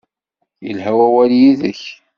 Yelha wawal yid-k.